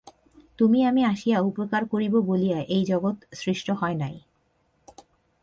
তুমি আমি আসিয়া উপকার করিব বলিয়া এই জগৎ সৃষ্ট হয় নাই।